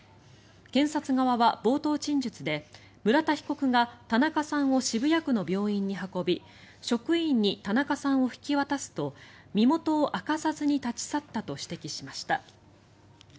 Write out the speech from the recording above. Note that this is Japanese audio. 検察側は冒頭陳述で村田被告が田中さんを渋谷区の病院に運び職員に田中さんを引き渡すと身元を明かさずに立ち去ったと指摘しました。